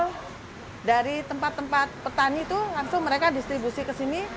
langsung dari tempat tempat petani itu langsung mereka distribusi ke sini